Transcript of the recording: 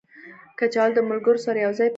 کچالو د ملګرو سره یو ځای پخېږي